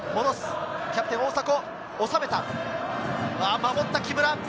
守った木村。